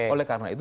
oleh karena itu